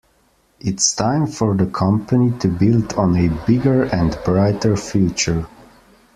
It's time for the company to build on a bigger and brighter future.